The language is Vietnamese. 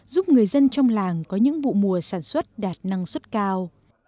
giúp người dân trong làng có những vụ mùa sản xuất đạt năng suất cao